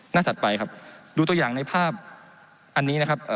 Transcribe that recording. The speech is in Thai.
ถัดไปครับดูตัวอย่างในภาพอันนี้นะครับ